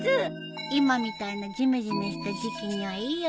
今みたいなジメジメした時期にはいいよね。